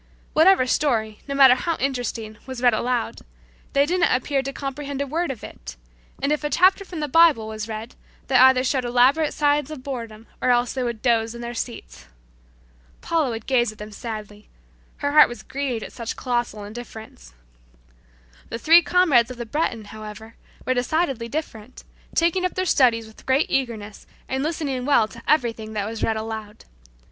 Whatever story, no matter how interesting, was read aloud, they didn't appear to comprehend a word of it, and if a chapter from the Bible was read they either showed elaborate signs of boredom or else they would doze in their seats. Paula would gaze at them sadly her young heart was grieved at such colossal indifference. The three comrades of the Breton, however, were decidedly different, taking up their studies with great eagerness and listening well to everything that was read aloud.